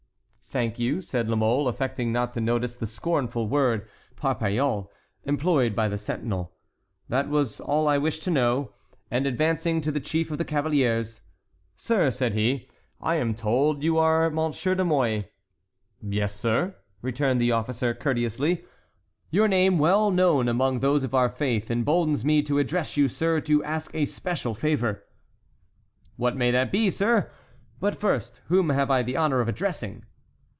"Thank you," said La Mole, affecting not to notice the scornful word parpaillots, employed by the sentinel. "That was all I wished to know;" and advancing to the chief of the cavaliers: "Sir," said he, "I am told you are M. de Mouy." "Yes, sir," returned the officer, courteously. "Your name, well known among those of our faith, emboldens me to address you, sir, to ask a special favor." "What may that be, sir,—but first whom have I the honor of addressing?"